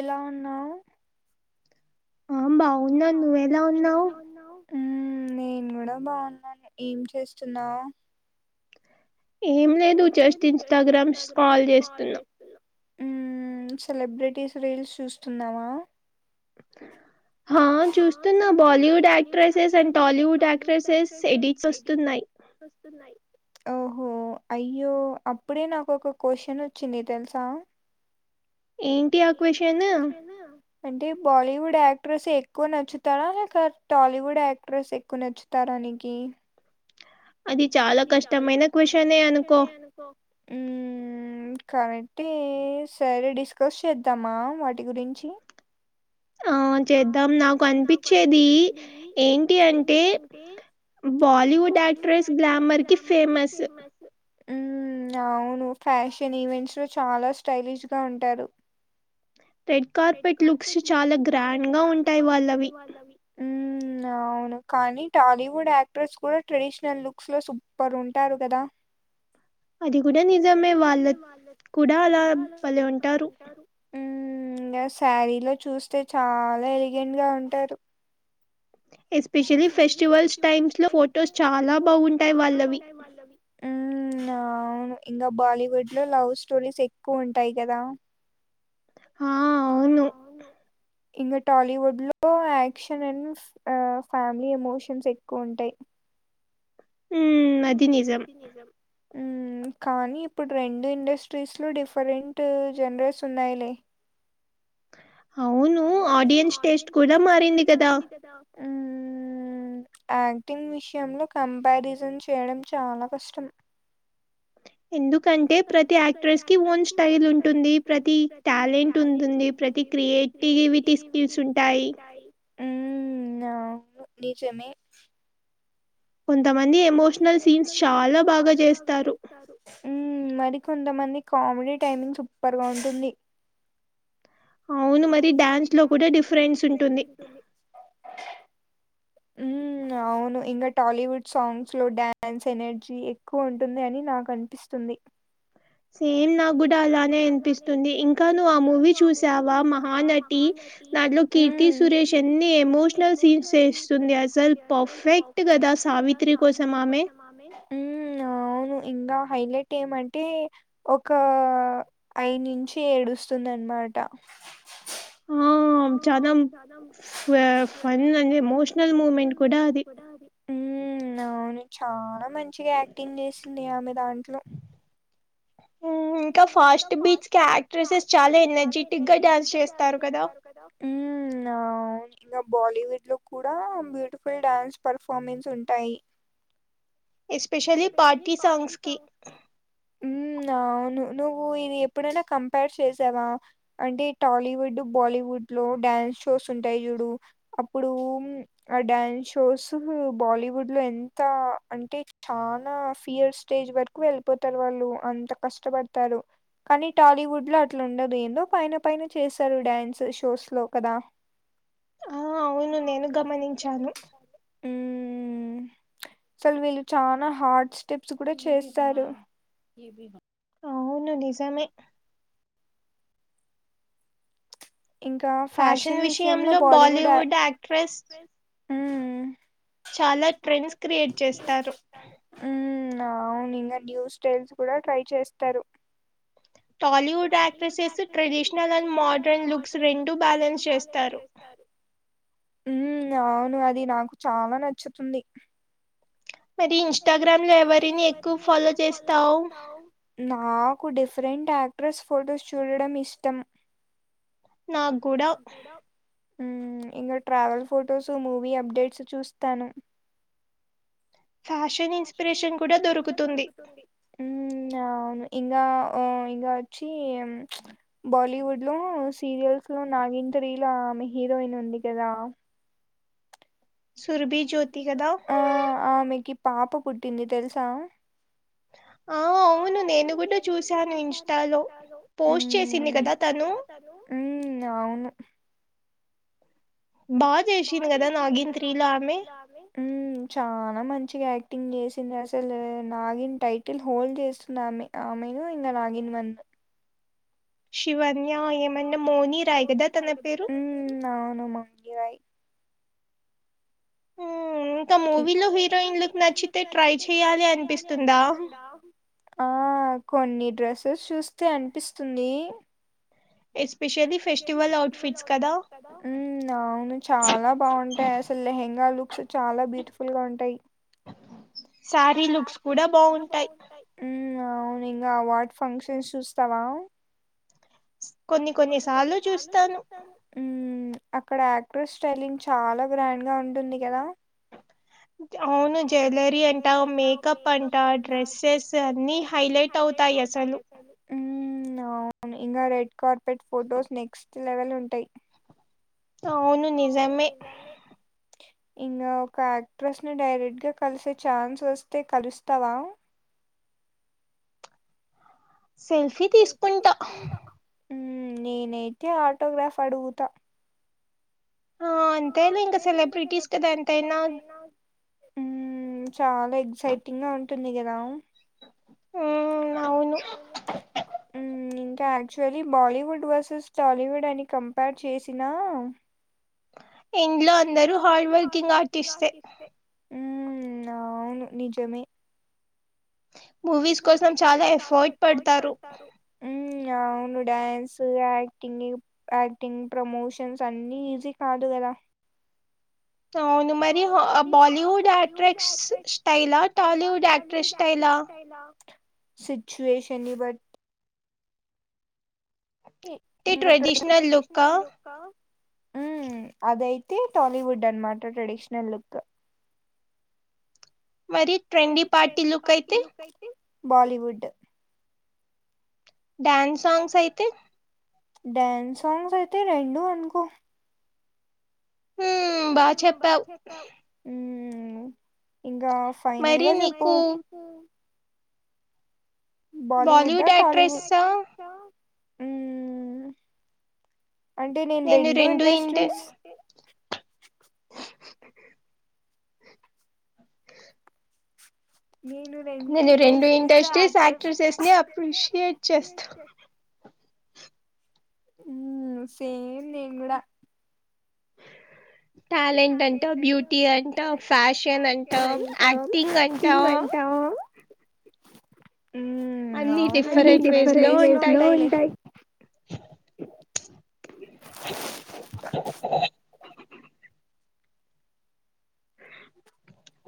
ఎలా ఉన్నావు అ బావున్నా నువ్వెలా ఉన్నావు నేను కూడా బాగున్నాను ఏం చేస్తున్నావు ఏం లేదు జస్ట్ ఇన్స్టాగ్రామ్ స్క్రోల్ చేస్తున్న ఉ సెలబ్రిటీస్ రీల్స్ చూస్తున్నావా చూస్తున్నా Bollywood actresses and Tollywood actresses ఎడి వస్తున్నాయి ఓహో అయ్యో అప్పుడే నాకు ఒక క్వశ్చన్ వచ్చింది తెలుసా ఏంటి ఆ క్వశ్చను అంటే బాలీవుడ్ యాక్ట్రెస్ ఎక్కువ నచ్చుతారా లేక టాలీవుడ్ యాక్ట్రెస్ ఎక్కువ నచ్చుతారానికి అది చాలా కష్టమైన క్వశ్చన్ నే అనుకో కరెక్టే సరే డిస్కస్ చేద్దామా వాటి గురించి ఆ చేద్దాం నాకు అనిపించేది ఏంటి అంటే బాలీవుడ్ యాక్ట్రెస్ గ్లామర్ కి ఫేమస్ ఉ అవును ఫ్యాషన్ ఈవెంట్స్ లో చాలా స్టైలిష్ గా ఉంటారు రెడ్ కార్పెట్ లుక్స్ చాలా గ్రాండ్ గా ఉంటాయి వాళ్ళవి అవును కానీ టాలీవుడ్ యాక్ట్రర్స్ కూడా ట్రెడిషనల్ లుక్స్ లో సూపర్ ఉంటారు కదా అది కూడా నిజమే వాళ్ళ కూడా అలా ఉంటారు ఇంకా శారీలో చూస్తే చాలా ఎలిగెంట్ గా ఉంటారు ఎస్పెషలీ ఫెస్టివల్స్ టైమ్ లో ఫోటో చాలా బాగుంటాయి వాళ్ళవి అవును ఇంగ బాలీవుడ్ లో లవ్ స్టోరీస్ ఎక్కువ ఉంటాయి కదా ఆ అవును ఇంగ టాలీవుడ్ లో యాక్షన్ అండ్ ఫ్యామిలీ ఎమోషన్స్ ఎక్కువ ఉంటాయి ఉ అదే అది నిజం కానీ ఇప్పుడు రెండు ఇండస్ట్రీస్ లో డిఫరెంట్ జనరర్స్ ఉన్నాయిలే అవును ఆడియన్స్ టెస్టు కూడా మారింది కదా యాక్టింగ్ విషయంలో కంపారిజన్ చేయడం చాలా కష్టం ఎందుకంటే ప్రతి యాక్ట్రెస్ కి ఓన్ స్టైల్ ఉంటుంది ప్రతి టాలెంట్ ఉంటుంది ప్రతి క్రియేటివిటీ స్కిల్స్ ఉంటాయి ఉవు నిజమే కొంతమంది ఎమోషనల్ సీన్స్ చాలా బాగా చేస్తారు మరి కొంతమంది కామెడీ టైమింగ్ సూపర్గా ఉంటుంది అవును మరి డ్యాన్స్ లో కూడా డిఫరెన్స్ ఉంటుంది హ అవును ఇంకా టాలీవుడ్ సాంగ్స్‌లో డాన్స్ ఎనర్జీ ఎక్కువ ఉంటుంది అని నాకు అనిపిస్తుంది సేమ్ నాకూడా అలానే అనిపిస్తుంది ఇంకా నువ్వు ఆ మూవీ చూసావా మహానటి దాంట్లో కీర్తి సురేష్ ఎన్ని ఎమోషనల్ సీన్స్ చెస్తుంది అసలు పర్ఫెక్ట్ కదా ఉమ్మ్ అవును ఇంకా హైలైట్ ఏమంటే ఒక ఐ నుంచి ఏడుస్తుంది అనమాట ఆ ఆ చానా ఫ ఫన్ అండ్ ఎమోషనల్ మూమెంట్ కూడా అది అవును చానా మంచిగా యాక్టింగ్ చేసింది ఆమె దాంట్లో హ ఇంకా ఫస్ట్ బీట్ యాక్ట్రెసెస్ చాలా ఎనర్జెటిక్గా డాన్స్ చేస్తారు కదా ఉమ్మ్ ఇంకా బాలీవుడ్లో కూడా బ్యూటిఫుల్ డ్యాన్స్ పర్ఫార్మెన్స్ ఉంటాయి ఎస్పెషలీ పార్టీ సాంగ్స్‌కి ను నువ్వు ఇది ఎప్పుడైనా కంపేర్ చేసావా అంటే టాలీవుడ్ బాలీవుడ్లో డ్యాన్స్ షోస్ ఉంటాయి చూడు అప్పుడు ఆ డ్యాన్స్ షోస్ బాలీవుడ్లో ఎంత అంటే చానా ఫియర్ స్టేజ్ వరకు వెళ్ళిపోతారు వాళ్ళు అంత కష్టపడు తారు కానీ టాలీవుడ్లో అట్లా ఉండదు ఏదో పైన పైన చేస్తారు డ్యాన్స్ షోస్లో కదా ఆ అవును నేను గమనించాను అసలు వీళ్ళు చానా హార్డ్ స్టెప్స్ కూడా చేస్తారు అవును నిజమే ఫ్యాషన్ విషయంలో బాలీవుడ్ యాక్ట్రెస్ ఉమ్మ్ అవు ఇ న్యూ స్టైల్స్ కూడా ట్రై చేస్తారు Tollywood actresses traditional and modern looks రెండు బ్యాలెన్స్ చేస్తారు ఉమ్మ్ అవును అది నాకు చాలా నచ్చుతుంది మరి ఇంస్టాగ్రామ్లో ఎవరిని ఎక్కువ ఫాలో చేస్తావ్ నా కు డిఫరెంట్ యాక్ట్రెస్ ఫొటోస్ చూడడం ఇష్టం నాకూడా ఉమ్మ్ ఇంకా ట్రావెల్ ఫొటోస్ మూవీ అప్డేట్స్ చూస్తాను ఫ్యాషనింగ్ మిషన్ కూడా దొరుకుతుంది ఉమ్మ్ అవును ఇంగ ఇంగ వచ్చి బాలీవుడ్లో సీరియల్స్ నాగిని త్రీ లో ఆమె హీరోయిన్ ఉంది కదా ఆ ఆమెకి పాప పుట్టింది తెలుసా ఆ ఆ అవును నేను కూడా చూశాను ఇన్స్టాలో ఉమ్మ్ పోస్ట్ చేసింది కదా తను ఉమ్మ్ అవును బాగా చేసింది కదా నాగిని త్రీలో ఆమె ఉమ్మ్ చానా మంచి గా యాక్టింగ్ చేసింది అసలు నాగిని టైటిల్ హోల్డ్ చేస్తుంది ఆమె ఆమెను ఇంకా నాగిని వన్ ఉమ్మ్ అవును మౌనిరాయ్ ఉమ్మ్ ఇంతా మూవీలో హీరోయిన్లకు నచ్చితే ట్రై చెయాలి అనిపిస్తుందా కొన్ని డ్రెస్సెస్ చూస్తే అనిపిస్తుంది ఎస్పే అవును చాలా బాగుంటాయి అసలు లెహెంగాలు అసల్ చాల బ్యూటిఫుల్ గా ఉంటాయి శారీ లుక్స్ కూడ బాగుంటాయి అవును ఇంగ అవార్డ్ ఫంక్షన్స్ చూస్తావ కొన్ని కొన్ని సార్లు చూస్తాను అక్కడ యాక్టర్ స్టైలింగ్ చాలా గ్రాండ్ గా ఉంటుంది కదా అవును జెలరి అంటా మేకప్ అంటా డ్రెస్సెస్ అన్ని హైలైట్ అవు లేట్ అవుతాయీ అవును ఇంకా red carpet photos next level ఉంటాయ్ అవును నిజమే ఇంకా ఒక యాక్ట్రెస్ ని డైరెక్ట్ గా కలిసే ఛాన్స్ వస్తే కరుస్తవ సెల్ఫీ తీసుకుంట నేనైతే ఆటోగ్రాఫ్ అడుగుత అంతేలే ఇంకా సెలబ్రిటీస్ కదా ఎంతయిన ఉ చాల ఎక్సైటింగ్ గా వుంటుంది కదా ఇంకా యాక్చువల్లీ బాలీవుడ్ వర్సెస్ టాలీవుడ్ అని కంపేర్ చేసినా ఇంట్లో అందరూ హార్డ్ వర్కింగ్ ఆర్టిస్టే ఉ అవును నిజమే మూవీస్ కోసం చాల ఎఫర్ట్ పెడతారు అవును డ్యాన్స్ యాక్టింగ్ యాక్టింగ్ ప్రమోషన్స్ అన్ని ఈజీ కాదు అ మరి Bollywood actress style Tollywood actress style situation but traditional లుక్క ఉ అదయితే టాలీవుడ్ అనమాట ట్రెడిషనల్ లుక్ మరి ట్రెండీ పార్టీ లుక్ అయితే బాలివుడ్ డ్యాన్స్ సాంగ్స్ అయితే డ్యాన్స్ సాంగ్స్ అయితే రెండు అనుకో హు బాగ చెప్పావ్ ఇంగ ఫైనల్గా చెప్పు బాలీవుడ్ ఆ టాలీ అంటే నేను రెండు ఇండస్ట్రీస్ నేను రెండు ఇండస్ట్రీస్ [unintelligible] అ ఉ సేమ్ నేను కూడ ట్యాలెంట్ అంటా బ్యూటీ అంటా ఫ్యాషన్ అంటా యాక్టింగ్ అంటా అన్ని డిఫరెంట్ వేస్ లో ఉంటాయి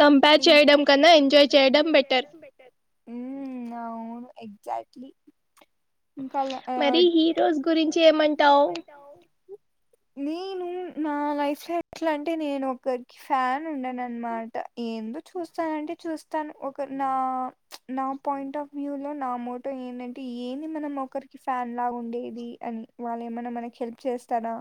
కంపేర్ చేయడం కన్న ఎంజాయ్ చేయడం బెటర్ మ్న అవును ఎగ్జాక్ట్లీ ఇంకా లే మరి హీరోస్ గురించి ఏమంటావ్ నేను నా లైఫ్ లో ఎట్లంటే నేను ఒకరికి ఫ్యాన్ ఉండను అనమాట ఎందో చూస్తానంటే చూస్తాను ఒక నా నా పాయింట్ ఆఫ్ వ్యూ లో నా మోట ఏంటంటే ఏంది మనం ఒకరికి ఫ్యాన్ లాగా ఉండేది అని వాళ్ళు ఏమన్న మనకి హెల్ప్ చేస్తారా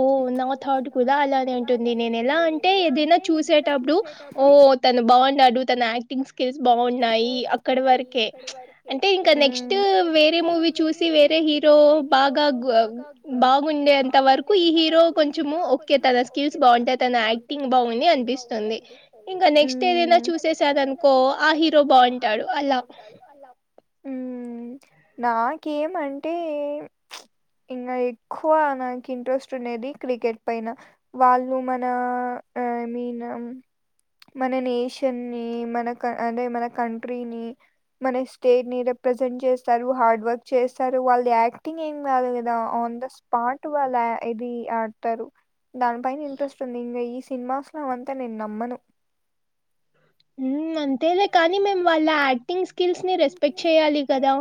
ఓ నా థాట్ కూడా అలానే ఉంటుంది నేను ఎలా అంటే ఏదైనా చూసేటప్పుడు ఓ తను బాగున్నాడు తన బాగున్నాయి అక్కడ వరకే అంటే ఇంకా నెక్స్ట్ వేరే మూవీ చూసి వేరే హి హీరో బాగా గూ బాగుండే అంత వర్ ఈ హీరో కొంచెము ఒకే తన స్కిల్స్ బాగుంటాయి తన యాక్టింగ్ బాగుంది అనిపిస్తుంది ఇంకా నెక్స్ట్ ఏదైనా చూసేసారు అనుకో ఆ హీరో సో ఆ హీరో బాగుంటాడు అలా మ్మ్ నాకేమంటే ఇంగా ఎక్కువ నాకు ఇంట్రెస్ట్ ఉండేది క్రికెట్ పైన వాళ్ళు మన మినం మన నేషన్ ని మన అదే మన కంట్రీని మన స్టేట్ ని రిప్రజెంట్ చేస్తారు హార్డ్ వర్క్ చేస్తారు వాళ్ళ యాక్టింగ్ ఏం కాదు గదా ఆన్ ద స్పాట్ వాళ్ళ ఇది ఆడతారు దానిపైన ఇంట్రెస్ట్ ఉంది ఇంకా ఈ సినిమాస్ లో అంతా నేను నమ్మను మ్మ్ అంతేలే కానీ మేమ్ వాళ్ళ యాక్టింగ్ స్కిల్స్ ని రెస్పెక్ట్ చేయాలి కదా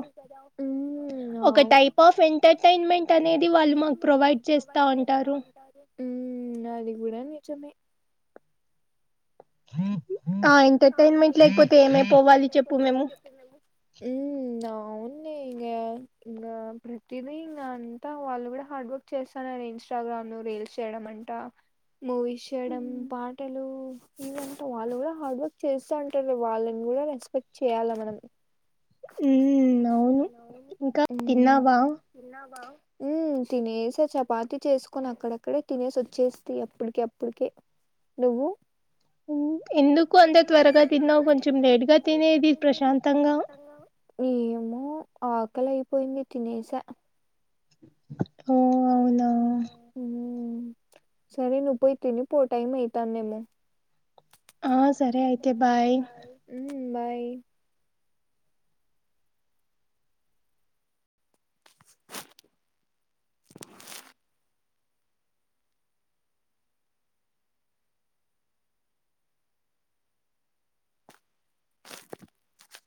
ఒక టైప్ ఆఫ్ ఎంటర్టైన్మెంట్ అనేది వాళ్ళు మాకు ప్రొవైడ్ చేస్తా అంటారు మ్మ్ అది గూడా నిజమే మ్మ్ అవ్ ఇంగా ప్రతిదీ ఇంగా అంతా వాళ్ళు కూడా హార్డ్ వర్క్ చేస్తాన్నారు ఇన్స్టగ్రామ్ లో రీల్స్ చేయడం అంటా మూవీస్ చేయడం పాటలు ఇవంటా వాళ్ళు కూడ హార్డ్ వర్క్ చేస్తా ఉంటారు వాళ్ళని కూడా రెస్పెక్ట్ చేయాలా మనం మ్మ్ అవును ఇంకా తిన్నావా తినేసా చపాతి చేసుకొని అక్కడ అక్కడే తినేసి వచ్చేస్తి అప్పడికే అప్పడికే నువ్వు ఎందుకు అంత త్వరగా తినేది కొంచెం లేటుగా తినేది ప్రశాంతంగా ఏమో ఏమో ఆకలి అయిపొయింది తినేస ఓ అవునా సరే నువ్వు పోయి తిను పో టైం అయితాంది ఏమో ఆ సరే అయితే బాయ్ బాయ్